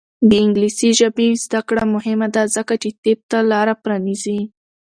د انګلیسي ژبې زده کړه مهمه ده ځکه چې طب ته لاره پرانیزي.